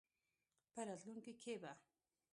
په راتلونکې کې به